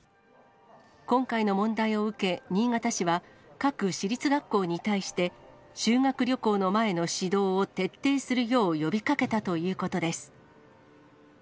今回の問題を受け、新潟市は、各市立学校に対して、修学旅行の前の指導を徹底するよう呼びかけたということです。